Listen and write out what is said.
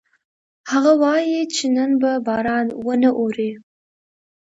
هغه وایي چې نن به باران ونه اوري